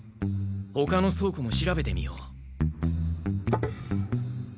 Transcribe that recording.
ほかの倉庫も調べてみよう。